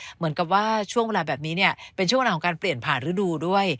เหมือนกับว่าช่วงเวลาแบบนี้เนี่ยเป็นช่วงเวลาของการเปลี่ยนผ่านฤดูด้วย